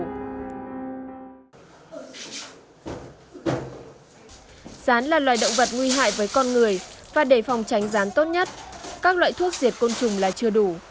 rán là loài động vật nguy hại với con người và để phòng tránh rán tốt nhất các loại thuốc diệt côn trùng là chưa đủ